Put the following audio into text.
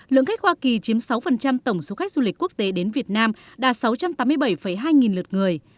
lượng khách hoa kỳ chiếm sáu tổng số khách du lịch quốc tế đến việt nam đạt sáu trăm tám mươi bảy hai nghìn lượt người